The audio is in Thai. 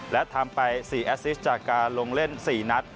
และทำไป๔แอสซิสจากการลงเล่น๔นัด